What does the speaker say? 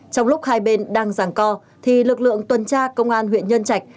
trong lúc hai bên đang giảng co thì lực lượng tuần tra công an huyện nhân trạch